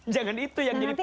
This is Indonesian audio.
jangan itu yang jadi